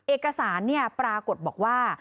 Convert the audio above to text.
เอกสารปรากฏบอกว่า